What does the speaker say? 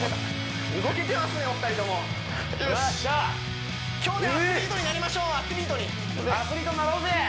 動けてますねお二人ともよっしゃ今日でアスリートになりましょうアスリートになろうぜ！